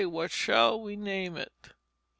what shall we name it?"